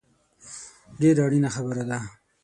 ډېره اړینه خبره ده